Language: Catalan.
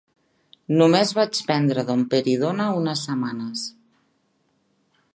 Només vaig prendre domperidona unes setmanes.